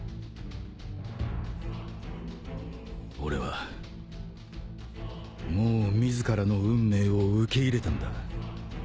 俺はもう自らの運命を受け入れたんだ。